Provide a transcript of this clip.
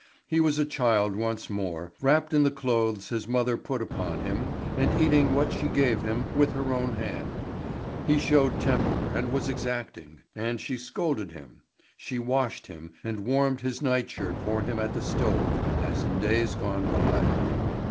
He was a child once more, wrapped in the clothes his mother put upon him, and eating what she gave him with her own hand; he showed temper, and was exacting, and she scolded him; she washed him, and warmed his night shirt for him at the stove, as in days gone by.